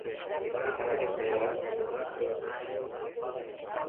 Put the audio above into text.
ntunyizera